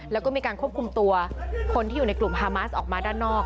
แล้วก็มีการควบคุมตัวคนที่อยู่ในกลุ่มฮามาสออกมาด้านนอก